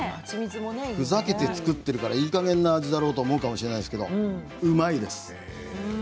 ふざけて作ってるからいいかげんなんだろうと思うかもしれないけれどうまいです。